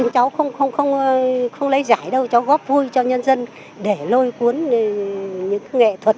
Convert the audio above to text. cháu không lấy giải đâu cháu góp vui cho nhân dân để lôi cuốn những nghệ thuật